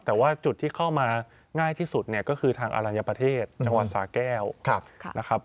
แต่ว่าจุดที่เข้ามาง่ายที่สุดเนี่ยก็คือทางอรัญญประเทศจังหวัดสาแก้วนะครับ